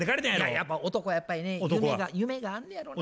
やっぱ男はやっぱりね夢が夢があんねやろな。